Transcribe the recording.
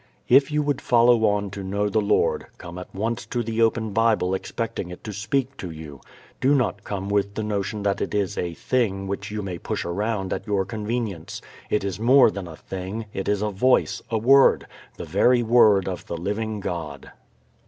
If you would follow on to know the Lord, come at once to the open Bible expecting it to speak to you. Do not come with the notion that it is a thing which you may push around at your convenience. It is more than a thing, it is a voice, a word, the very Word of the living God.